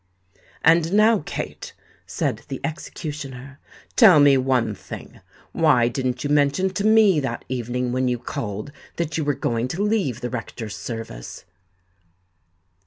"And now, Kate," said the executioner, "tell me one thing: why didn't you mention to me that evening when you called, that you were going to leave the rector's service?"